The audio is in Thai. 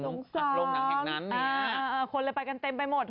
อเรนนี่เพราะวันจันทร์มีความแม่